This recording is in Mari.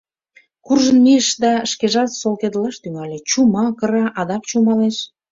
Куржын мийыш да шкежат солкедылаш тӱҥале, чума, кыра, адак чумалеш.